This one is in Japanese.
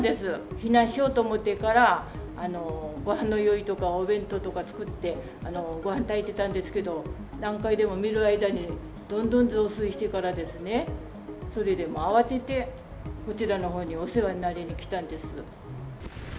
避難しようと思ってから、ごはんの用意とか、お弁当とか作って、ごはん炊いてたんですけど、何回でも見る間にどんどんどんどん増水してからですね、それでもう、慌ててこちらのほうにお世話になりに来たんです。